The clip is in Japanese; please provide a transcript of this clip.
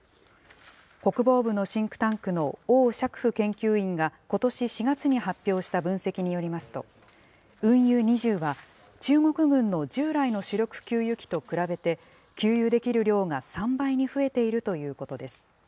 国防部のシンクタンクの欧錫富研究員がことし４月に発表した分析によりますと、運油２０は、中国軍の従来の主力給油機と比べて、給油できる量が３倍に増えているということです。